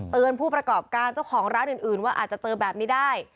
ผู้ประกอบการเจ้าของร้านอื่นว่าอาจจะเจอแบบนี้ได้